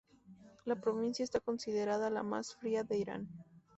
La provincia está considerada la más fría de Irán.